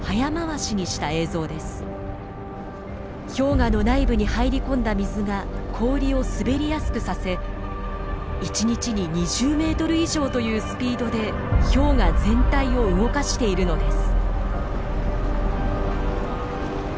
氷河の内部に入り込んだ水が氷を滑りやすくさせ１日に２０メートル以上というスピードで氷河全体を動かしているのです。